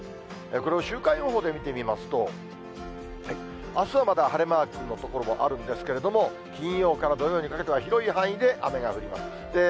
これを週間予報で見てみますと、あすはまだ晴れマークの所もあるんですけれども、金曜から土曜にかけては、広い範囲で雨が降ります。